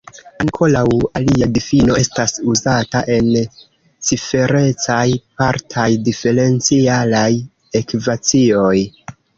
Ankoraŭ alia difino estas uzata en ciferecaj partaj diferencialaj ekvacioj.